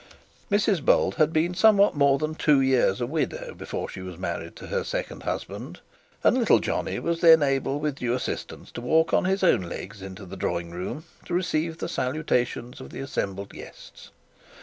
Mrs Bold had been somewhat more than two years a widow before she was married to her second husband, and little Johnnie was then able with due assistance to walk on his own legs into the drawing room to receive the salutations of the assembled guests.